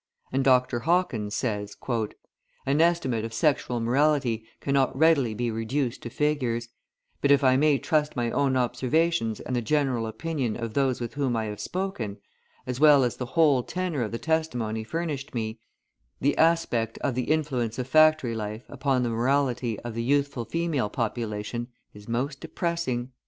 {149b} And Dr. Hawkins {149c} says: "An estimate of sexual morality cannot readily be reduced to figures; but if I may trust my own observations and the general opinion of those with whom I have spoken, as well as the whole tenor of the testimony furnished me, the aspect of the influence of factory life upon the morality of the youthful female population is most depressing."